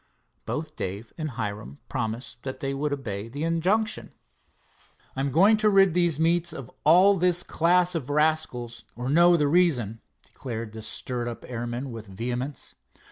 Both Dave and Hiram promised that they would obey the injunction. "I'm going to rid these meets of all this class of rascals, or know the reason," declared the stirred up airman with vehemence.